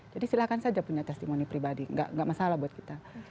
jadi silakan saja punya testimoni pribadi nggak masalah buat kita